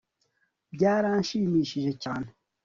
byarashimishije cyane